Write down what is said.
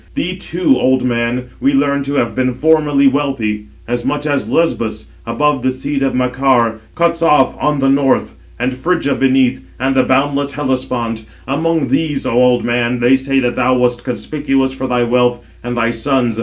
Thee too, old man, we learn to have been formerly wealthy: as much as Lesbos, above the seat of Macar, cuts off on the north, and Phrygia beneath, and the boundless Hellespont: among these, O old man, they say that thou wast conspicuous for thy wealth and thy sons.